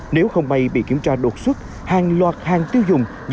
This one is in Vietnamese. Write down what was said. nếu không may bị kiểm tra đột xuất hàng loạt hàng tiêu dùng